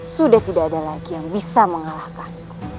sudah tidak ada lagi yang bisa mengalahkan